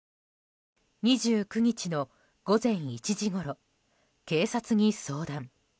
２９日の午前１時ごろ警察に相談。